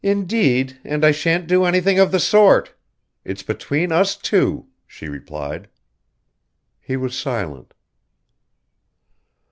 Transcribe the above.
"Indeed, and I shan't do anything of the sort. It's between us two," she replied. He was silent.